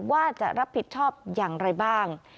ว่าจะรับผิดชอบอย่างไรบ้าง